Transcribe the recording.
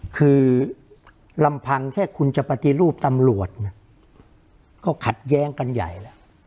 คือลำพังแค่คุณจะปฏิรูปตำรวจก็ขัดแย้งกันใหญ่แล้ว